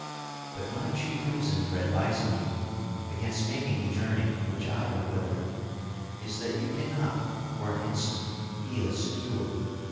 But my chief reason for advising you against making the journey which I have weathered is that you can not for an instant feel secure.